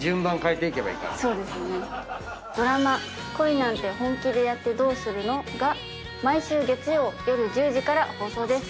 ドラマ『恋なんて、本気でやってどうするの？』が毎週月曜夜１０時から放送です。